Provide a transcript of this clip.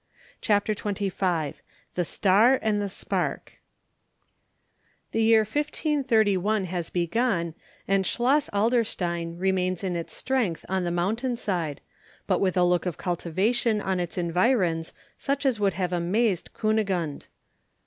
CHAPTER XXV THE STAR AND THE SPARK THE year 1531 has begun, and Schloss Adlerstein remains in its strength on the mountain side, but with a look of cultivation on its environs such as would have amazed Kunigunde.